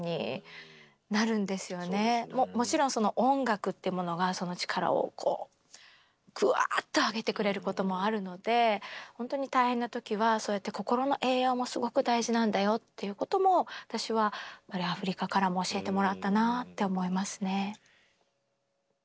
もちろん音楽というものがその力をぐわっと上げてくれることもあるので本当に大変な時は心の栄養もすごく大事なんだよということも私はアフリカからも教えてもらったなって思いますね。